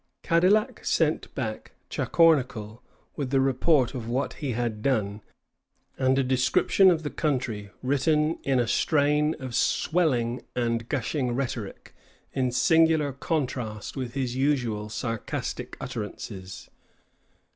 Cadillac sent back Chacornacle with the report of what he had done, and a description of the country written in a strain of swelling and gushing rhetoric in singular contrast with his usual sarcastic utterances.